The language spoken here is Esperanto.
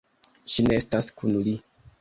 Ŝi ne estas kun li.